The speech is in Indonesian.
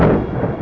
ya enggak apa apa